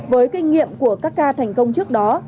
với kinh nghiệm của các ca thành công trước đó